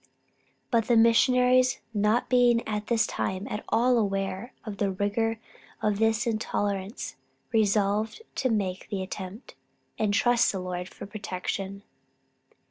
But the Missionaries not being at this time at all aware of the rigor of this intolerance, resolved to make the attempt, and trust in the Lord for protection.